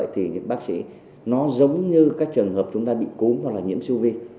thì những bác sĩ nó giống như các trường hợp chúng ta bị cúm hoặc là nhiễm siêu vi